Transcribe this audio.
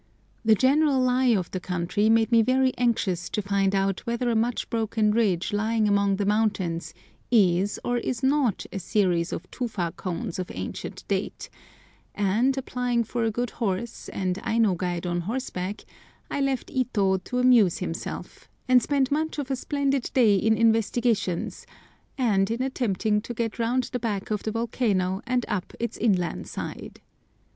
The general lie of the country made me very anxious to find out whether a much broken ridge lying among the mountains is or is not a series of tufa cones of ancient date; and, applying for a good horse and Aino guide on horseback, I left Ito to amuse himself, and spent much of a most splendid day in investigations and in attempting to get round the back of the volcano and up its inland side.